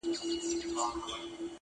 • چي د عقل په میدان کي پهلوان وو -